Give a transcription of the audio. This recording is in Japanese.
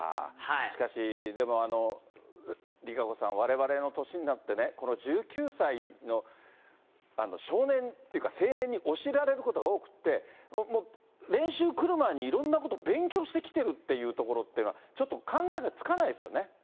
しかしでも、ＲＩＫＡＣＯさん、われわれの年になってね、この１９歳の少年っていうか、青年に教えられることが多くって、もう練習来る前にいろんなこと勉強してきてるっていうところは、ちょっと考えがつかないですよね？